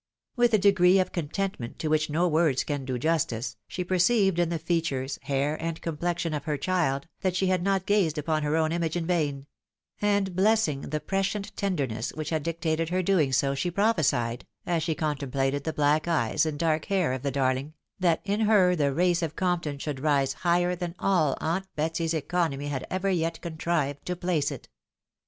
With a degree of contentment to wliich no words can do justice, she perceived in the features, hair, and complexion of her child, that she had not gazed upon her own image in vain ; and blessing the prescient tenderness which had dictated her doing so, she prophesied, as she contemplated the black eyes and dark hair of the darling, that in her the race of Compton should rise higher than all aunt Betsy's economy had ever yet contrived to place it.